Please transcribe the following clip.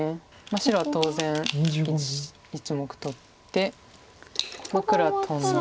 白は当然１目取って黒はトンで。